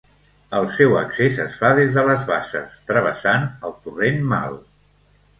El seu accés es fa des de les Basses, travessant el Torrent Mal.